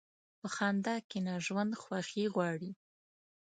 په خندا کښېنه، ژوند خوښي غواړي.